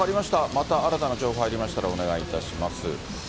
また新たな情報入りましたらお願いいたします。